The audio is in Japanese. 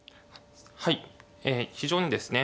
はいえ非常にですね